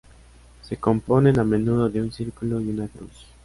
Se componen, a menudo, de un círculo y una cruz.